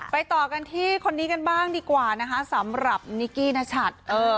ต่อกันที่คนนี้กันบ้างดีกว่านะคะสำหรับนิกกี้นชัด